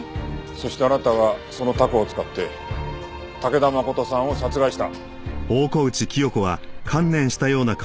そしてあなたはそのタコを使って武田誠さんを殺害した。